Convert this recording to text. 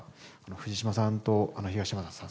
藤島さんと東山さん